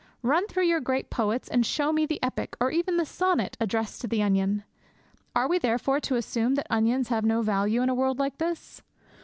Run through your great poets and show me the epic, or even the sonnet, addressed to the onion! Are we, therefore, to assume that onions have no value in a world like this?